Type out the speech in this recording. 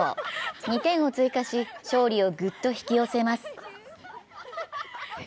２点を追加し、勝利をぐっと引き寄せます。